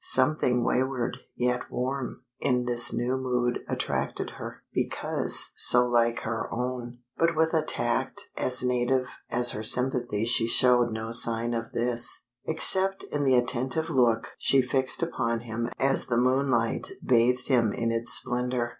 Something wayward, yet warm, in this new mood attracted her, because so like her own. But with a tact as native as her sympathy she showed no sign of this, except in the attentive look she fixed upon him as the moonlight bathed him in its splendor.